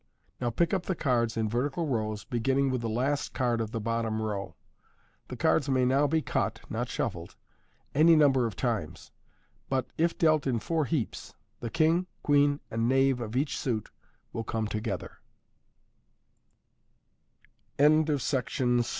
Now pick up the cards in vertical rows, beginning with the last card of the bottom row. The cards may now be cut (not shuffled) any number of times, but, if dealt in four heaps, the king, queen, and knave of each